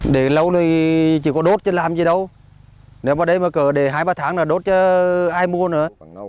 để lâu thì chỉ có đốt cho làm gì đâu nếu mà đây mà cỡ để hai ba tháng là đốt cho ai mua nữa